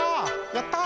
やった！